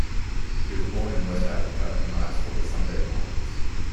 She was born in West Africa and writes for "The Sunday Times".